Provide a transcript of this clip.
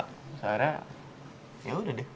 terus akhirnya yaudah deh